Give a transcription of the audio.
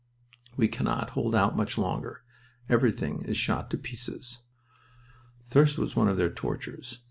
We cannot hold out much longer. Everything is shot to pieces." Thirst was one of their tortures.